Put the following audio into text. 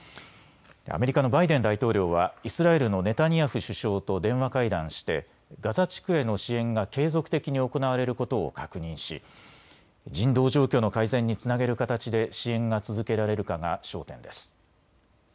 アメリカのバイデン大統領はイスラエルのネタニヤフ首相と電話会談してガザ地区への支援が継続的に行われることを確認し人道状況の改善につなげる形で支援が続けられるかが焦点です。